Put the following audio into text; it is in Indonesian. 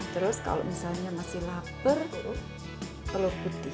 terus kalau misalnya masih lapar telur putih